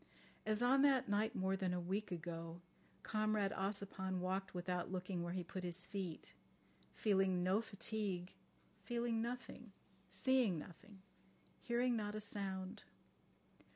As on that night, more than a week ago, Comrade Ossipon walked without looking where he put his feet, feeling no fatigue, feeling nothing, seeing nothing, hearing not a sound.